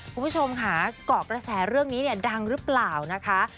คุณผู้ชมค่ะเกาะกระแสเรื่องนี้เนี่ยดังหรือเปล่านะคะ